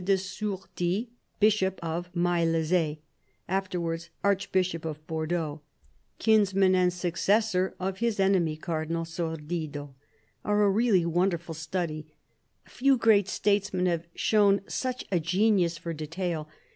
de Sourdis, Bishop of Maillezais, after wards Archbishop of Bordeaux — kinsman and successor of his enemy Cardinal Sordido — are a really wonderful study. Few great statesmen have shown such a genius for detail.